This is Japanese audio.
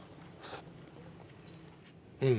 うん。